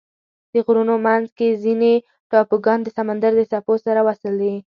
د غرونو منځ کې ځینې ټاپوګان د سمندر د څپو سره وصل دي.